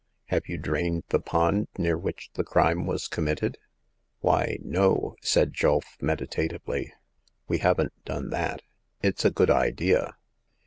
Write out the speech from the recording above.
Have you drained the pond near which the crime was committed ?"Why, no," said Julf, meditatively ;" we haven't done that. It's a good idea